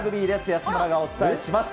安村がお伝えします。